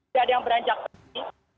tidak ada yang beranjak pergi